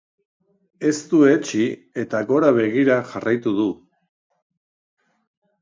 Ez du etsi eta gora begira jarraitu du.